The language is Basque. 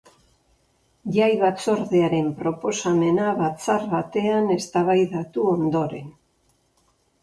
Jai batzordearen proposamena batzar batean eztabaidatu ondoren.